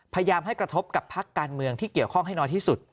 พยายามให้กระทบกับพักการเมืองที่เกี่ยวข้องให้น้อยที่สุด